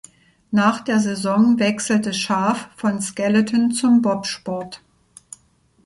Nach der Saison wechselte Schaaf von Skeleton zum Bobsport.